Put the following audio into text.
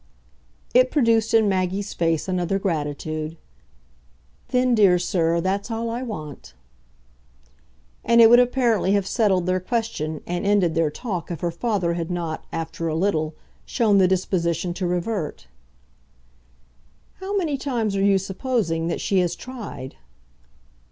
It produced in Maggie's face another gratitude. "Then, dear sir, that's all I want." And it would apparently have settled their question and ended their talk if her father had not, after a little, shown the disposition to revert. "How many times are you supposing that she has tried?"